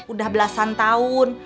udah belasan tahun